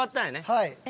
はい。